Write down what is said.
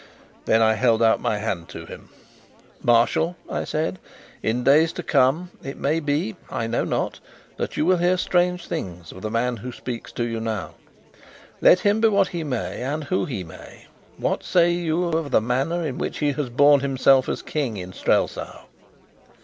Then I held out my hand to him. "Marshal," I said, "in days to come, it may be I know not that you will hear strange things of the man who speaks to you now. Let him be what he may, and who he may, what say you of the manner in which he has borne himself as King in Strelsau?"